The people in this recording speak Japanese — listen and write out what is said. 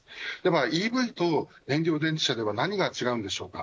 ＥＶと燃料電池車では何が違うんでしょうか。